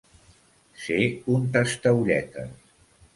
Ser un tastaolletes.